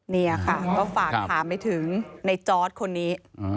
นี่ค่ะก็ฝากถามไปถึงในจอร์ดคนนี้